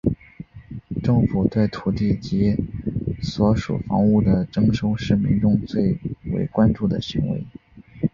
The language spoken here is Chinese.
政府对土地及所属房屋的征收是民众最为关注的行为。